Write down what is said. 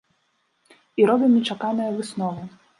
І робім нечаканыя высновы!